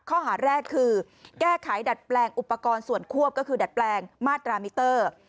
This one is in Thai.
ข้อหาแรกคือแก้ไขดัดแปลงอุปกรณ์ส่วนควบก็คือดัดแปลงมาตรามิเตอร์